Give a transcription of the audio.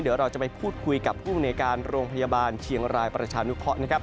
เดี๋ยวเราจะไปพูดคุยกับผู้บริการโรงพยาบาลเชียงรายประชานุเคราะห์นะครับ